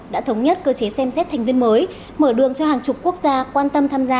đã thống nhất cơ chế xem xét thành viên mới mở đường cho hàng chục quốc gia quan tâm tham gia